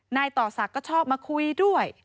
นายต่อศักดิ์ก็ชอบมาคุยด้วย